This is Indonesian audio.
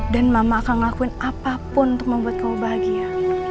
dan mama akan ngelakuin apapun untuk membuat kamu bahagia